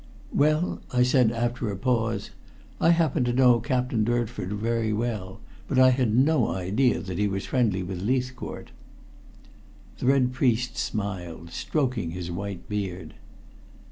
"Well," I said after a pause, "I happen to know Captain Durnford very well, but I had no idea that he was friendly with Leithcourt." The Red Priest smiled, stroking his white beard.